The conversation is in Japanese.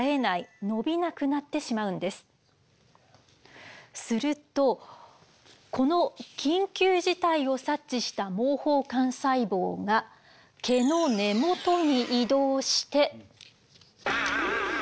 するとこの緊急事態を察知した毛包幹細胞が毛の根元に移動して。